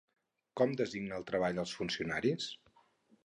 Com designa el treball els funcionaris?